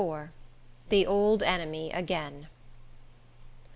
XXXIV. The Old Enemy Again.